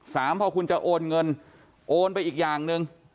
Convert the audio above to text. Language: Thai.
สามพอคุณจะโอนเงินโอนไปอีกอย่างหนึ่ง